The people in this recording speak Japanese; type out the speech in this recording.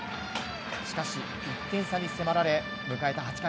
しかし、１点差に迫られ迎えた８回。